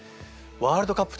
ワールドカップ。